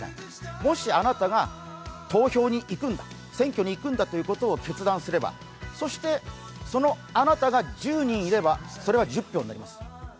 もしあなたが投票に行くんだ、選挙に行くんだということを決断すれば、そしてそのあなたが１０人いれば、それは１０票になります。